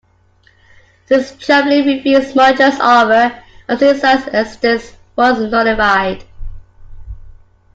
Since Jubilee refused Mojo's offer, Abcissa's existence was nullified.